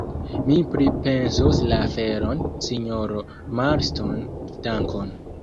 Mi pripensos la aferon, sinjoro Marston; dankon.